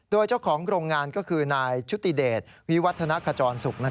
โดยเจ้าของโรงงานก็คือนายชุติเดชวิวัฒนขจรสุข